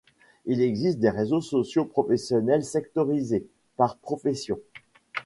Il existe des réseaux sociaux professionnels sectorisés, par profession.